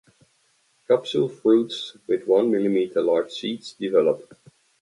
Capsule fruits with one millimeter large seeds develop.